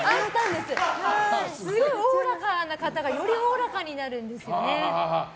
すごいおおらかな方がよりおおらかになるんですよね。